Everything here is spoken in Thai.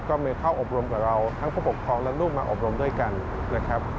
มาเข้าอบรมกับเราทั้งผู้ปกครองและลูกมาอบรมด้วยกันนะครับ